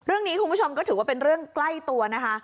เรื่องนี้คุณผู้ชมถือว่าเป็นลอกใกล้ตัวนะคะ